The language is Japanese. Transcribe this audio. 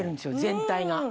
全体が。